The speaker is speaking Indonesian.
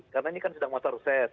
karena ini kan sedang masa reses